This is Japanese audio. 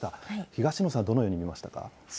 東野さんはどのように見ましたか？